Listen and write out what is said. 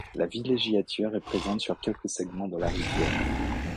La villégiature est présente sur quelques segments de la rivière.